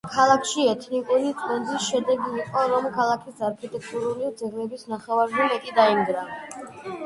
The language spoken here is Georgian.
ქალაქში ეთნიკური წმენდის შედეგი იყო, რომ ქალაქის არქიტექტურული ძეგლების ნახევარზე მეტი დაინგრა.